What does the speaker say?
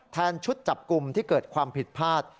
ชุดจับกลุ่มที่เกิดความผิดพลาด